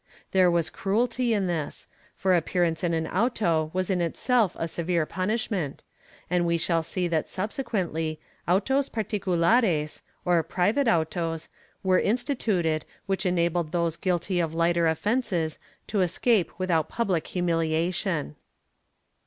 * There was cruelty in this, for appearance in an auto was in itself a severe punishment, and we shall see that subse quently autos particulares, or private autos, were instituted which enabled those guilty of lighter offences to escape without public humiliation.